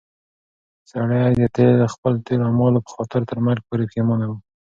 سړی د خپلو تېرو اعمالو په خاطر تر مرګ پورې پښېمانه و.